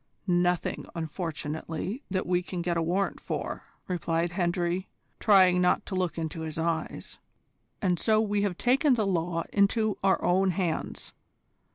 "Nothing, unfortunately, that we can get a warrant for," replied Hendry, trying not to look into his eyes, "and so we have taken the law into our own hands.